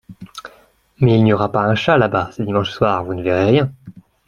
Mais il n’y aura pas un chat, là-bas, c’est dimanche soir, vous ne verrez rien.